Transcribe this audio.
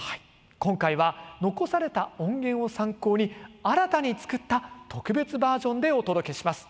今回は残された音源を参考に新たに作った特別バージョンでお届けします。